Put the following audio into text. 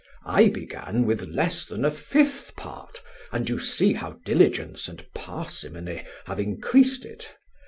I began with less than a fifth part, and you see how diligence and parsimony have increased it.